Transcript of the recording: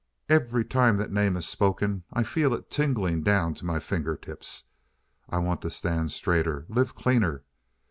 Every time that name is spoken, I feel it tingling down to my fingertips. I want to stand straighter, live cleaner.